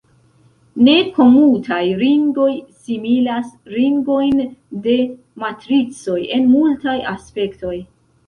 Ne-komutaj ringoj similas ringojn de matricoj en multaj aspektoj.